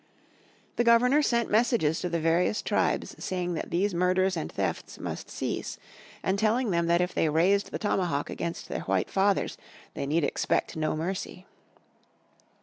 The Governor sent messages to the various tribes saying that these murders and thefts must cease, and telling them that if they raised the tomahawk against their white fathers they need expect no mercy.